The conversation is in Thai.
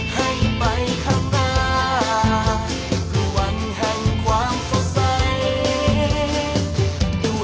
ให้ไปข้างหน้าคือวันแห่งความสดใส